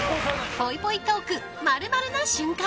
ぽいぽいトーク○○な瞬間。